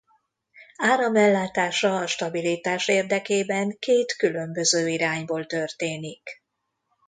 Áramellátása a stabilitás érdekében két különböző irányból történik.